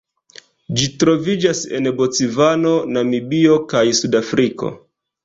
Ĝi troviĝas en Bocvano, Namibio kaj Sudafriko.